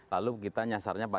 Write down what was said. lalu kita nyasarnya apa